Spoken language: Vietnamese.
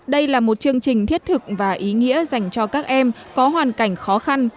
đây là một chương trình thiết thực và ý nghĩa dành cho các em có hoàn cảnh khó khăn